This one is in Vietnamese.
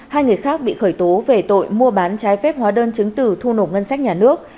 hai người khác bị khởi tố về tội mua bán trái phép hóa đơn chứng từ thu nộp ngân sách nhà nước